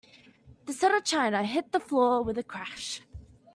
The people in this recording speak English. The set of china hit the floor with a crash.